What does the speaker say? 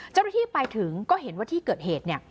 เจ้าหน้าที่ไปถึงก็เห็นว่าที่เกิดเหตุเนี่ย